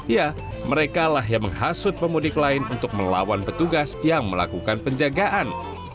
ya mereka lah yang menghasut pemudik lain untuk melawan petugas yang melakukan penjagaan